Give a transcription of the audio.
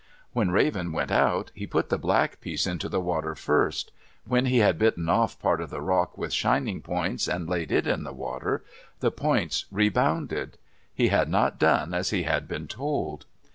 When Raven went out, he put the black piece into the water first. When he had bitten off part of the rock with shining points and laid it in the water, the points rebounded. He had not done as he had been told.